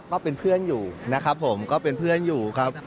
ก็เป็นเพื่อนอยู่นะครับผมก็เป็นเพื่อนอยู่ครับ